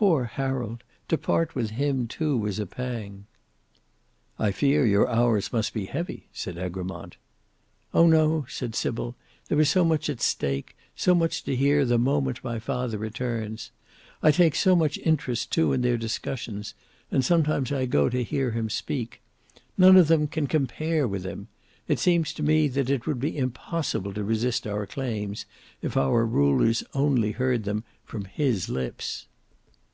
"Poor Harold! To part with him too was a pang." "I fear your hours must be heavy," said Egremont. "Oh! no," said Sybil, "there is so much at stake; so much to hear the moment my father returns. I take so much interest too in their discussions; and sometimes I go to hear him speak. None of them can compare with him. It seems to me that it would be impossible to resist our claims if our rulers only heard them from his lips."